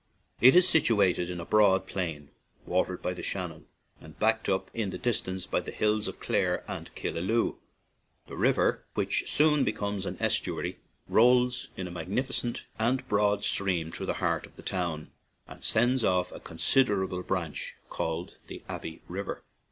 It is situated in a broad plain, watered by the Shannon, and back ed up in the distance by the hills of Clare and Killaloe. The river, which soon becomes an estuary, rolls in a mag nificent and broad stream through the heart of the town, and sends off a con siderable branch called the Abbey River.